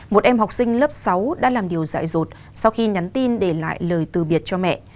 một em học sinh lớp sáu đã làm điều dạy rột sau khi nhắn tin để lại lời từ biệt cho mẹ